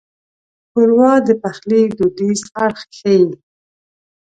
ښوروا د پخلي دودیز اړخ ښيي.